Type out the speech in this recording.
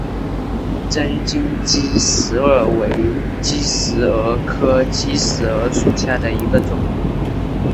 针茎姬石蛾为姬石蛾科姬石蛾属下的一个种。